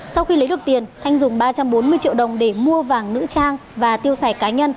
sau khi lấy được tiền thanh dùng ba trăm bốn mươi triệu đồng để mua vàng nữ trang và tiêu xài cá nhân